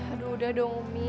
aduh udah dong ummi